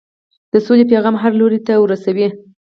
د سولې پیغام هر لوري ته ورسوئ.